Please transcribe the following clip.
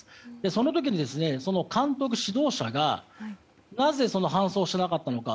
その時に監督、指導者がなぜ搬送しなかったのか。